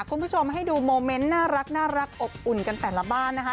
คุณผู้ชมให้ดูโมเมนต์น่ารักอบอุ่นกันแต่ละบ้านนะคะ